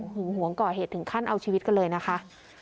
หึงหวงก่อเหตุถึงขั้นเอาชีวิตกันเลยนะคะ